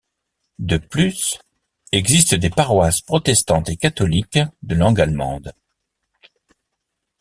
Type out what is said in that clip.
De plus, existent des paroisses protestantes et catholiques de langue allemande.